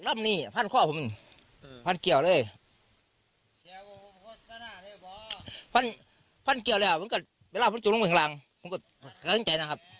ผมตอนนั้นพ่ออยู่ไหนครับ